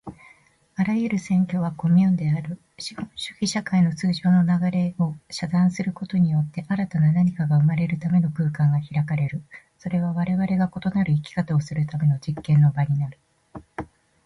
あらゆる占拠はコミューンである。資本主義社会の通常の流れを遮断することによって、新たな何かが生まれるための空間が開かれる。それはわれわれが異なる生き方をするための実験の場になる。